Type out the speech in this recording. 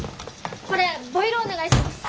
これボイルお願いします。